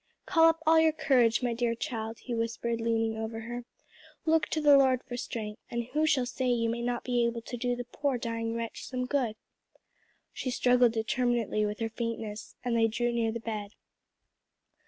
"Call up all your courage, my dear child," he whispered, leaning over her, "look to the Lord for strength, and who shall say you may not he able to do the poor dying wretch some good?" She struggled determinately with her faintness, and they drew near the bed.